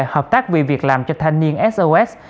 hợp tác vì việc làm cho thanh niên sos